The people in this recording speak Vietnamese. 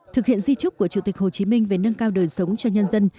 thực hiện di trúc của chủ tịch hồ chí minh về nâng cao đời sống cho nhân dân